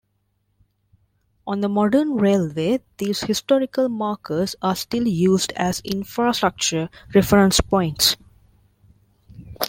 On the modern railway, these historical markers are still used as infrastructure reference points.